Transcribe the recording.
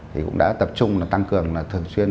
thì cũng đã tập trung là tăng cường là thường xuyên